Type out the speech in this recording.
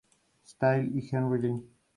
Styles y Jerry Lynn.